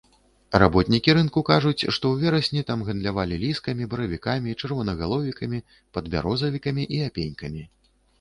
Работнікі рынку кажуць, што ў верасні там гандлявалі ліскамі, баравікамі, чырвонагаловікамі, падбярозавікамі і апенькамі.